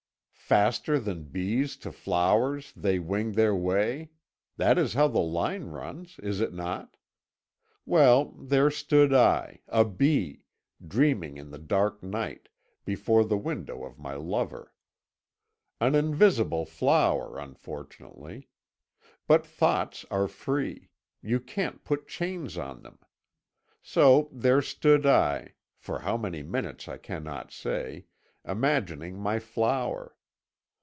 'Faster than bees to flowers they wing their way;' that is how the line runs, is it not? Well, there stood I, a bee, dreaming in the dark night, before the window of my flower. An invisible flower, unfortunately. But thoughts are free; you can't put chains on them. So there stood I, for how many minutes I cannot say, imagining my flower.